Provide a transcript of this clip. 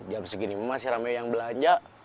jam segini masih ramai yang belanja